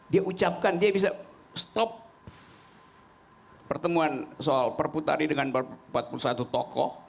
dia ucapkan dia bisa stop pertemuan soal perpu tadi dengan empat puluh satu tokoh